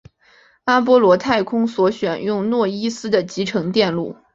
阿波罗太空梭选用诺伊斯的集成电路。